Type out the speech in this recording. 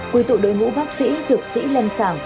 quy tụ đối ngũ bác sĩ dược sĩ lâm sảng